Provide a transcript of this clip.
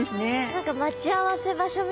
何か待ち合わせ場所みたいな感じだ。